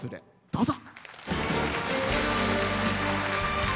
どうぞ。